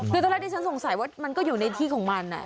คือตอนแรกที่ฉันสงสัยว่ามันก็อยู่ในที่ของมัน